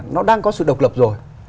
nó đang có sự độc lập rồi